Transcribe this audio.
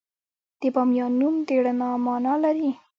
د بامیان نوم د رڼا مانا لري